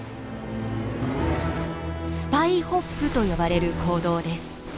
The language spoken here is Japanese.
スパイホップと呼ばれる行動です。